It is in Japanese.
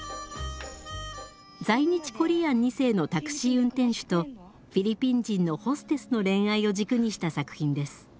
在日コリアン２世のタクシー運転手とフィリピン人のホステスの恋愛を軸にした作品です。